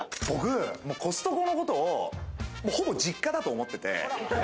僕、コストコのことをほぼ実家だと思っていて。